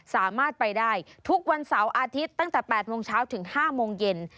สามารถไปได้ทุกวันเสาร์อาทิตย์ตั้งแต่๘โมงเช้าถึง๕โมงเย็น